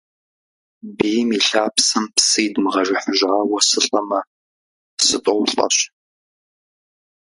Бийм и лъапсэм псы идмыгъэжыхьыжауэ сылӀэмэ, сытӀоулӀэщ.